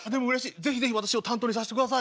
是非是非私を担当にさせてください。